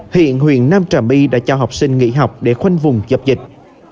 hiện huyện nam trà my đã cho học sinh nghỉ học để khoanh vùng dập dịch